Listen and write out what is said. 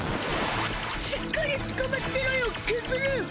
しっかりつかまってろよケズル！